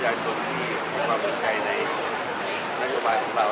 แบบคิดว่ามันได้ปรนมีความกลับใจในรักษาภาคของเรา